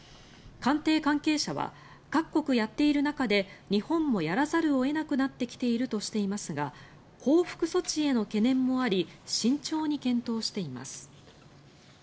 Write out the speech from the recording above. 官邸関係者は各国やっている中で日本もやらざるを得なくなってきているとしていますが報復措置への懸念もあり慎重に検討しています。